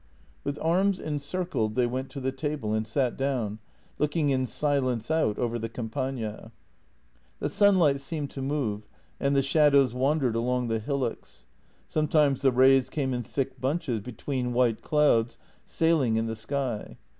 With arms encircled they went to the table and sat down, looking in silence out over the Campagna. The sunlight seemed to move and the shadows wandered along the hillocks. Sometimes the rays came in thick bunches between white clouds, sailing in the sky.